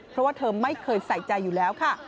เพราะว่าเธอไม่เคยใส่ใจอยู่แล้วค่ะ